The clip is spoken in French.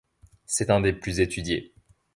C'est un des plus étudiés.